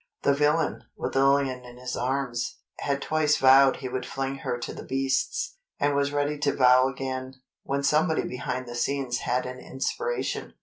The villain, with Lillian in his arms, had twice vowed he would fling her to the beasts, and was ready to vow again, when somebody behind the scenes had an inspiration.